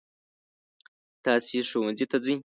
تاسې ښوونځي ته ځئ.